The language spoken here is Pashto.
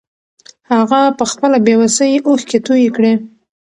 هغه په خپلې بې وسۍ اوښکې توې کړې.